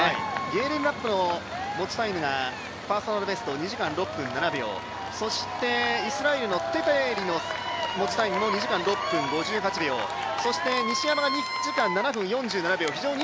ゲーレン・ラップの持ちタイムがパーソナルベスト２時間６分７秒、そしてイスラエルのテフェリの持ちタイムも２時間６分５８秒、そして西山が２時間７分４８秒。